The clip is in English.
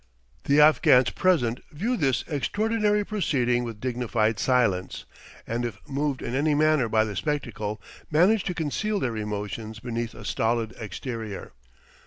The Afghans present view this extraordinary proceeding with dignified silence, and if moved in any manner by the spectacle, manage to conceal their emotions beneath a stolid exterior.